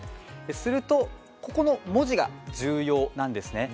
するとここの文字が重要なんですね。